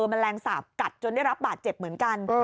มันแรงสาบกัดจนได้รับบาดเจ็บเหมือนกัน